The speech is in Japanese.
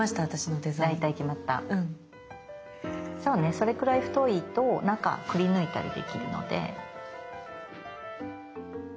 それくらい太いと中くりぬいたりできるので。